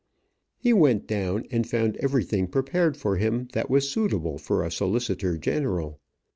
He went down, and found everything prepared for him that was suitable for a solicitor general.